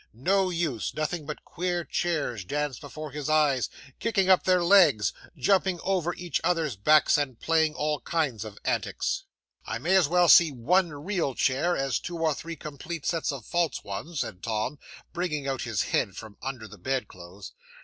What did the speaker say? No use; nothing but queer chairs danced before his eyes, kicking up their legs, jumping over each other's backs, and playing all kinds of antics. "'I may as well see one real chair, as two or three complete sets of false ones," said Tom, bringing out his head from under the bedclothes.